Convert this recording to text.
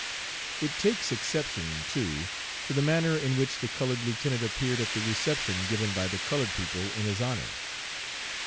"It takes exception, too, to the manner in which the colored lieutenant appeared at the reception given by the colored people in his honor.